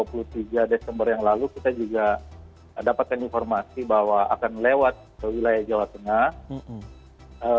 dua puluh tiga desember yang lalu kita juga dapatkan informasi bahwa akan lewat wilayah jawa tengah